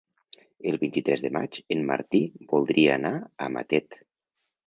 El vint-i-tres de maig en Martí voldria anar a Matet.